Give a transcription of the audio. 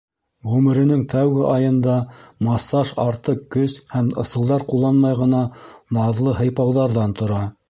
Ғүмеренең тәүге айында массаж артыҡ көс һәм ысулдар ҡулланмай ғына наҙлы һыйпауҙарҙан тора.